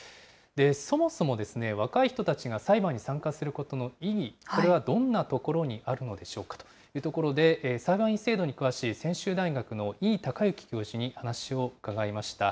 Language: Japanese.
そもそもですね、若い人たちが裁判に参加することの意義、これはどんなところにあるのでしょうかというところで、裁判員制度に詳しい専修大学の飯考行教授に話を伺いました。